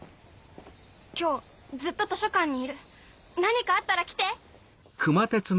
今日ずっと図書館にいる何かあったら来て！